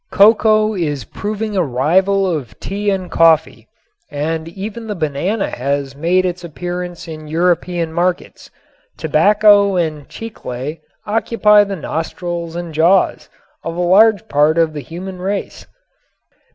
Cocoa is proving a rival of tea and coffee, and even the banana has made its appearance in European markets. Tobacco and chicle occupy the nostrils and jaws of a large part of the human race.